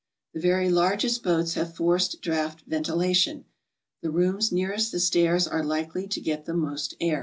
The very largest boats have forced draught ventilation. The rooms nearest the stairs are likely to get the most air.